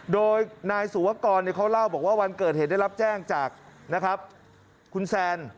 โดยนายสุวกรเขาเล่าบอกว่าวันเกิดเหตุได้รับแจ้งจากนะครับคุณแซน